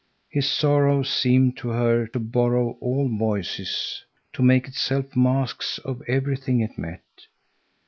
His sorrow seemed to her to borrow all voices, to make itself masks of everything it met.